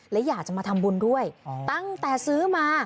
และอยากจะมาทำบุญด้วยตั้งแต่ซื้อมา